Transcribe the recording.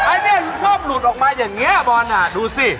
อันนี้ชอบหลุดออกมาอย่างนี้บอลอ่ะดูสิ